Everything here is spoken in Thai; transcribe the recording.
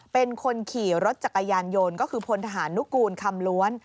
เป็นคนขี่รถจักรยานยนต์ก็คือพลทหารนุกูลคำล้วน